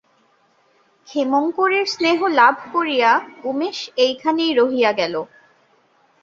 ক্ষেমংকরীর স্নেহ লাভ করিয়া উমেশ এইখানেই রহিয়া গেল।